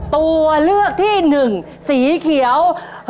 ตัวเลือกที่หนึ่งสีเขียว